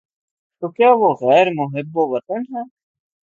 تو کیا وہ غیر محب وطن ہے؟